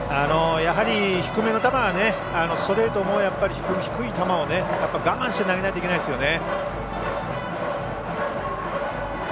低めの球はストレートも低い球を我慢して投げないといけないですよね。